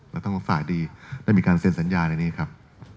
เราต้องรู้สาธิดีได้มีการเซ็นสัญญาในนี้ครับ